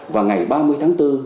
và ngày ba mươi tháng bốn